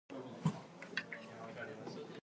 His songs have been recorded by many Nashville artists.